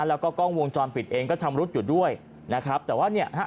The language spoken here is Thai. แล้วก็กล้องวงจรปิดเองก็ชำรุดอยู่ด้วยนะครับแต่ว่าเนี่ยฮะ